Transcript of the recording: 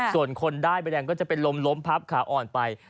ส่วนคนได้ใบแดงก็จะเป็นลมล้มพับขาอ่อนไป